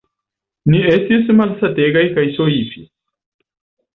Ni estis malsategaj kaj soifis.